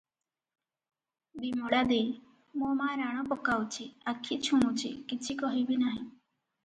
ବିମଳା ଦେଈ - ମୋ ମା ରାଣ ପକାଉଛି, ଆଖି ଛୁଉଁଛି, କିଛି କହିବି ନାହିଁ ।